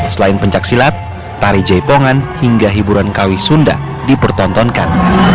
selain pencak silat tari jaypongan hingga hiburan kawih sunda dipertontonkan